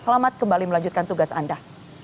selamat kembali melanjutkan tugas anda